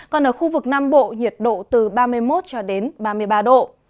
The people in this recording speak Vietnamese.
còn ở khu vực nam bộ nhiệt độ từ ba mươi một ba mươi ba độ